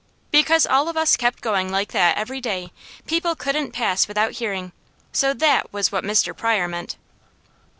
Because all of us kept going like that every day, people couldn't pass without hearing, so THAT was what Mr. Pryor meant.